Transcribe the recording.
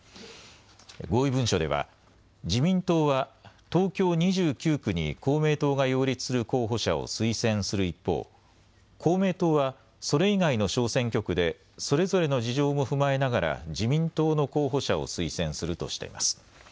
合意文書では自民党は東京２９区に公明党が擁立する候補者を推薦する一方、公明党はそれ以外の小選挙区でそれぞれの事情も踏まえながら自民党の候補者を推薦するとしています。